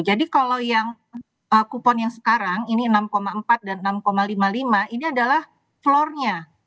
jadi kalau yang kupon yang sekarang ini enam empat dan enam lima puluh lima ini adalah floor nya